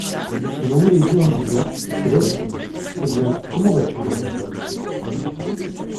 Il ouvrit les yeux en disant :, C'est Delphine ! Eh ! bien, comment vas-tu ? demanda-t-elle.